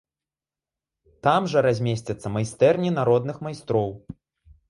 Там жа размесцяцца майстэрні народных майстроў.